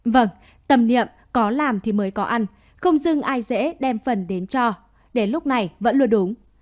vâng tầm niệm có làm thì mới có ăn không dưng ai dễ đem phần đến cho đến lúc này vẫn luôn đúng